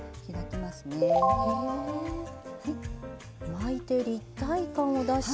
巻いて立体感を出して。